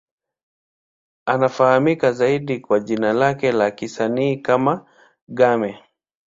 Anafahamika zaidi kwa jina lake la kisanii kama Game.